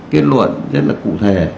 kết luận rất là cụ thể